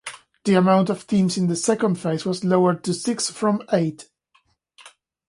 The amount of teams in the second phase was lowered to six from eight.